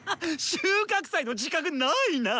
収穫祭の自覚ないナ！